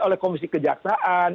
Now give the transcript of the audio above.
oleh komisi kejaksaan